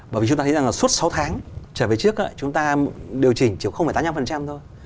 bởi vì chúng ta thấy rằng là suốt sáu tháng trở về trước chúng ta điều chỉnh chiều tám mươi năm thôi